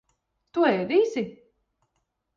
Tu ēdīsi?